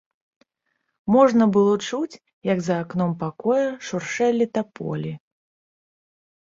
Можна было чуць, як за акном пакоя шуршэлі таполі.